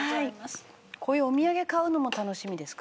こういうお土産買うのも楽しみですか？